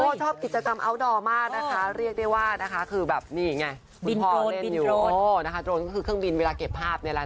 ก็ชอบกิจกรรมเอาท์ดอร์มากนะคะเรียกได้ว่านะคะคือแบบนี่ไงบินโดรนคือเครื่องบินเวลาเก็บภาพนี้ละนะคะ